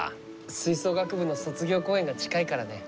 吹奏楽部の卒業公演が近いからね。